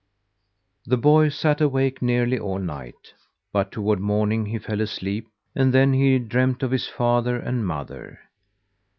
The boy sat awake nearly all night, but toward morning he fell asleep and then he dreamed of his father and mother.